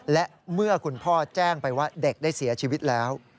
และเมื่อคุณพ่อแจ้งไปว่าเด็กได้เสียชีวิตแล้ว